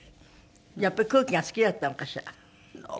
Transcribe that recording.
やっぱり空気が好きだったのかしら？